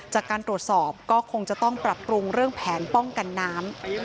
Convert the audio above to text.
จากการตรวจสอบก็คงจะต้องปรับปรุงเรื่องแผนป้องกันน้ำ